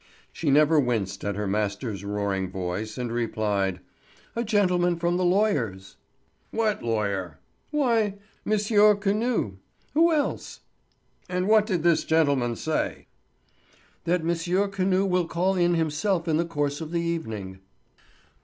She never winced at her master's roaring voice, and replied: "A gentleman from the lawyer's." "What lawyer?" "Why, M'sieu 'Canu—who else?" "And what did this gentleman say?" "That M'sieu 'Canu will call in himself in the course of the evening."